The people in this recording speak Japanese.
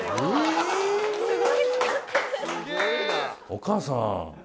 お母さん。